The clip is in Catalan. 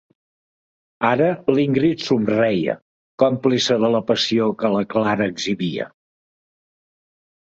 Ara l'Ingrid somreia, còmplice de la passió que la Clara exhibia.